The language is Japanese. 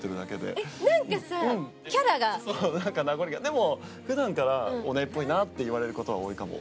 でも普段からオネエっぽいなって言われる事は多いかも。